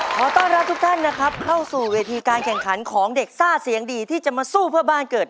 ขอต้อนรับทุกท่านนะครับเข้าสู่เวทีการแข่งขันของเด็กซ่าเสียงดีที่จะมาสู้เพื่อบ้านเกิด